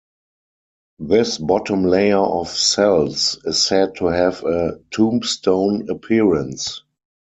This bottom layer of cells is said to have a "tombstone appearance".